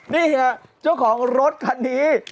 นี่ฮะเจ้าของรถคันนี้